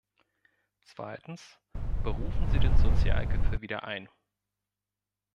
Zweitens, berufen Sie den Sozialgipfel wieder ein!